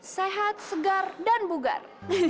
sehat segar dan bugar